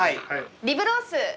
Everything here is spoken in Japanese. リブロース。